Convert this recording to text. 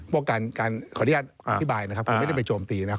ว่าการขออนุญาตอธิบายนะครับผมไม่ได้ไปโจมตีนะครับ